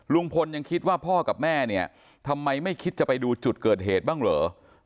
ลุงพลยังคิดว่าพ่อกับแม่เนี่ยทำไมไม่คิดจะไปดูจุดเกิดเหตุบ้างเหรอ